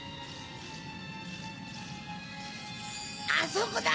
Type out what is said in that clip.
あそこだ！